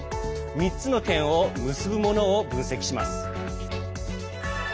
３つの点を結ぶものを分析します。